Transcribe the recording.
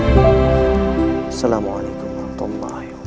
assalamu'alaikum warahmatullahi wabarakatuh